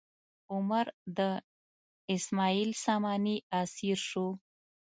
عمر د اسماعیل ساماني اسیر شو.